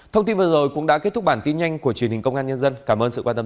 thông tin vừa rồi cũng đã kết thúc bản tin nhanh của truyền hình công an nhân dân cảm ơn sự quan tâm